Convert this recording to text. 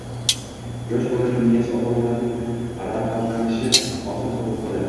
Yosh bolaning miyasi ota-onaning rag'batlarini oson qabul qiladi.